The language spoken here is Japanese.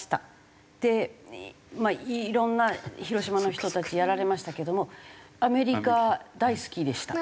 でいろんな広島の人たちやられましたけどもアメリカ大好きでした。